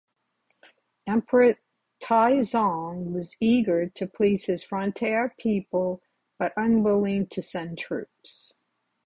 Emperor Taizong was eager to please his frontier people but unwilling to send troops.